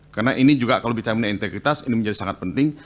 karena ini juga kalau bicara integritas ini menjadi sangat penting